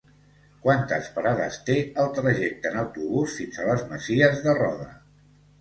Quantes parades té el trajecte en autobús fins a les Masies de Roda?